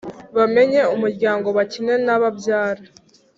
bamenye umuryango bakine n’ababyara